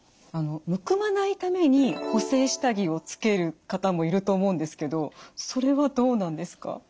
むくまないために補正下着をつける方もいると思うんですけどそれはどうなんですか？